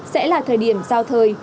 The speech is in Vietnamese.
sẽ là thời điểm giao thời